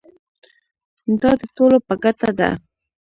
دا د ټولو په ګټه ده.